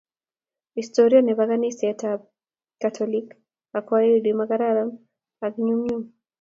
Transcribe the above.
Historia nebo kaniset tab katolik ak wayahudi makararan ak nyum nyum.